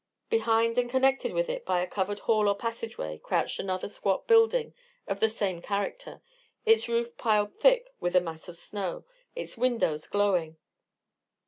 Behind and connected with it by a covered hall or passageway crouched another squat building of the same character, its roof piled thick with a mass of snow, its windows glowing.